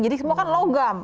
jadi semua kan logam